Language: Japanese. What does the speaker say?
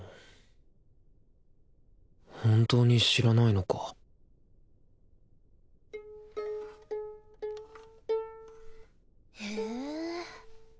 本当に知らないのかへぇあんた